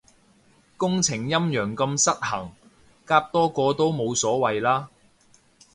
工程陰陽咁失衡，夾多個都冇所謂啦